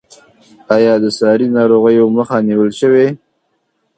آیا د ساري ناروغیو مخه نیول شوې؟